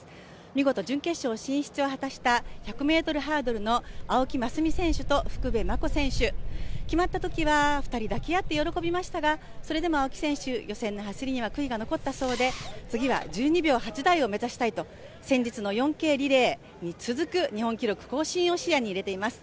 見事準決勝進出を果たした１００ｍハードルの青木益未選手と福部真子選手決まったときは２人抱き合って喜びましたが、それでも青木選手、予選の走りには悔いが残ったそうで、次は１２秒８台を目指したいと先日の４継リレーに続く日本記録更新を視野に入れています。